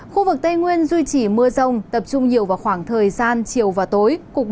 khu vực tây nguyên duy trì mưa rông tập trung nhiều vào khoảng thời gian chiều và tối